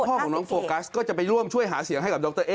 พ่อของน้องโฟกัสก็จะไปร่วมช่วยหาเสียงให้กับดรเอ๊